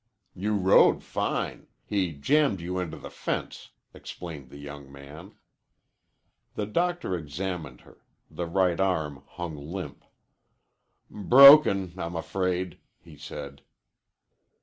"You rode fine. He jammed you into the fence," explained the young man. The doctor examined her. The right arm hung limp. "Broken, I'm afraid," he said.